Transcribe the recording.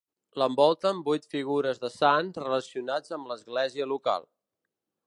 L'envolten vuit figures de sants relacionats amb l'església local.